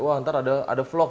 wah ntar ada vlog